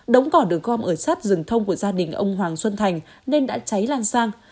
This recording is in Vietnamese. đống cỏ được gom ở sát rừng thông của gia đình ông hoàng xuân thành nên đã cháy lan sang